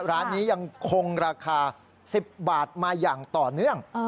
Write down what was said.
ร้านนี้ยังคงราคา๑๐บาทมาอย่างต่อเนื่อง